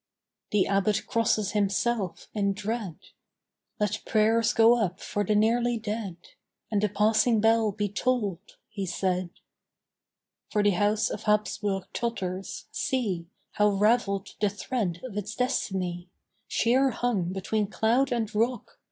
The Abbot crosses himself in dread "Let prayers go up for the nearly dead, And the passing bell be tolled," he said. "For the House of Hapsburg totters! See, How raveled the thread of its destiny, Sheer hung between cloud and rock!"